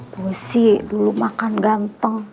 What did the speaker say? busy dulu makan ganteng